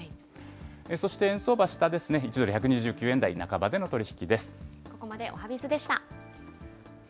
そして円相場、下ですね、１ドル１２９円台半ばでの取り引きです。